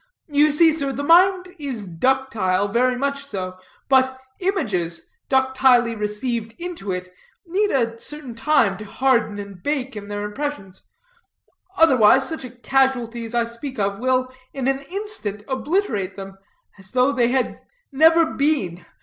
You see sir, the mind is ductile, very much so: but images, ductilely received into it, need a certain time to harden and bake in their impressions, otherwise such a casualty as I speak of will in an instant obliterate them, as though they had never been.